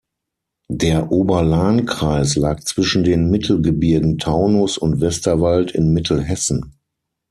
Der Oberlahnkreis lag zwischen den Mittelgebirgen Taunus und Westerwald in Mittelhessen.